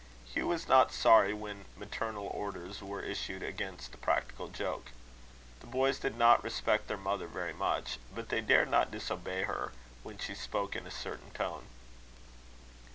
Hugh was not sorry when maternal orders were issued against the practical joke. The boys did not respect their mother very much, but they dared not disobey her, when she spoke in a certain tone.